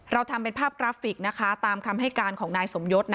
เราทำเป็นภาพกราฟิกนะคะตามคำให้การของนายสมยศ